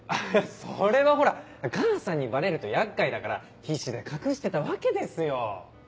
それはほら母さんにバレると厄介だから必死で隠してたわけですよ。